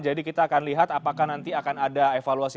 jadi kita akan lihat apakah nanti akan ada evaluasi